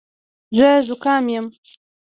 زه زوکام یم